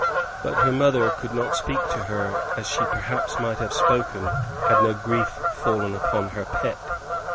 But her mother could not speak to her as she perhaps might have spoken had no grief fallen upon her pet.